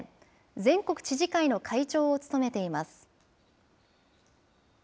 全国知事会の会長を務めています。